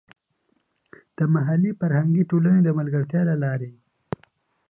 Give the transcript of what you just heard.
د محلي فرهنګي ټولنې د ملګرتیا له لارې.